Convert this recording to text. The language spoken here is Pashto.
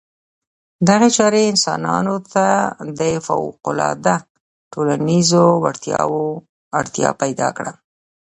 دغې چارې انسانانو ته د فوقالعاده ټولنیزو وړتیاوو اړتیا پیدا کړه.